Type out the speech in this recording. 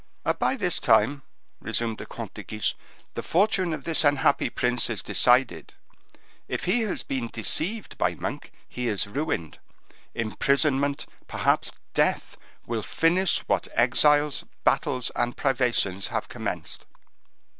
"By this time," resumed the Comte de Guiche, "the fortune of this unhappy prince is decided. If he has been deceived by Monk, he is ruined. Imprisonment, perhaps death, will finish what exiles, battles, and privations have commenced."